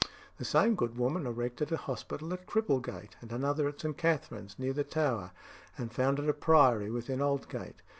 The same good woman erected a hospital at Cripplegate, and another at St. Katharine's, near the Tower, and founded a priory within Aldgate.